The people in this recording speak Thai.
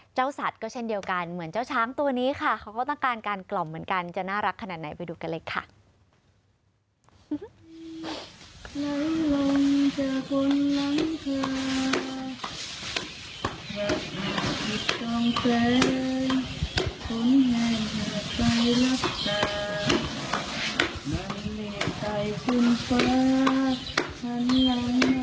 สัตว์ก็เช่นเดียวกันเหมือนเจ้าช้างตัวนี้ค่ะเขาก็ต้องการการกล่อมเหมือนกันจะน่ารักขนาดไหนไปดูกันเลยค่ะ